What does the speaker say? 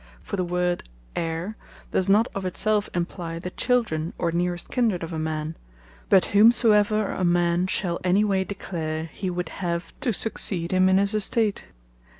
For the word Heire does not of it selfe imply the Children, or nearest Kindred of a man; but whomsoever a man shall any way declare, he would have to succeed him in his Estate.